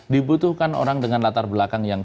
dibutuhkan orang dengan latar belakang yang